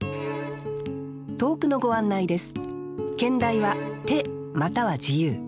投句のご案内です